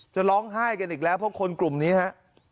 จะร้องไห้กันอีกแล้วเพราะคนกลุ่มนี้ฮะ